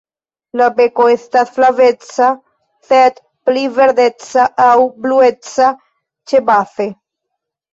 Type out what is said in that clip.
La beko estas flaveca, sed pli verdeca aŭ blueca ĉebaze.